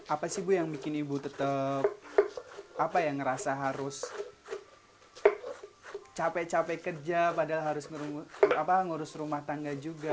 apa sih bu yang bikin ibu tetap ngerasa harus capek capek kerja padahal harus ngurus rumah tangga juga